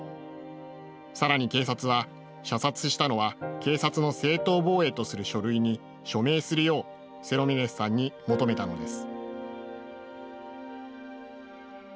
さらに警察は射殺したのは警察の正当防衛とする書類に署名するようセロミネスさんに求めたのです。